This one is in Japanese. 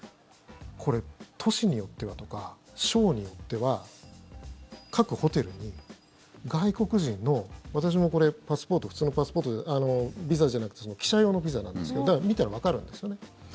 これ、都市によってはとか省によっては各ホテルに外国人の私もこれ、パスポート普通のビザじゃなくて記者用のビザなんですけどだから見たらわかるんですよね。